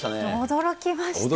驚きましたね。